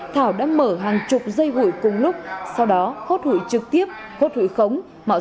thảo đã mở hàng chục dây hụi cùng lúc sau đó hốt hụi trực tiếp hốt hụi khống